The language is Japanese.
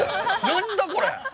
何だ、これ！？